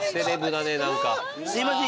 すいません